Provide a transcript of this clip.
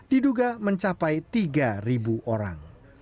diduga mencapai tiga orang